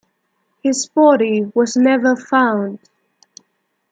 His body was never found.